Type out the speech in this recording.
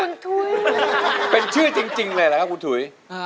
คุณถุยเป็นชื่อจริงเลยแหละครับ